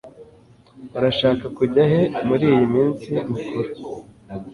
urashaka kujya he muriyi minsi mikuru